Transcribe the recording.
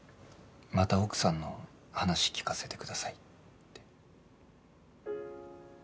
また奥さんの話聞かせてくださいって。